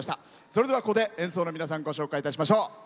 それでは、ここで演奏の皆さんご紹介いたしましょう。